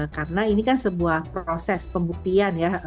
karena ini kan sebuah proses pembuktian ya